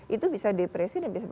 itu bisa depresi dan bisa